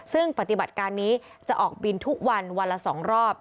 ซึ่งปฏิบัติการนี้จะออกบินทุกวันวันละ๒รอบ